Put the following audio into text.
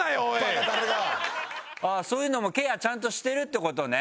そういうのもケアちゃんとしてるって事ね。